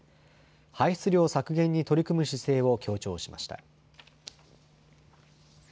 排出量削減に取り組む姿勢を強調しました。